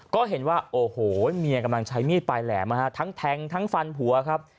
ก็เห็นว่าโอ้โหเมียกำลังใช้มีดปลายแหลมทั้งแทงทั้งฟันผัวครับ